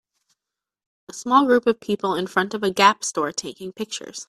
A small group of people in front of a Gap store taking pictures.